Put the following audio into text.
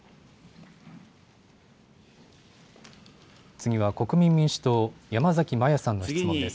次は国民民主党、山崎摩耶さんの質問です。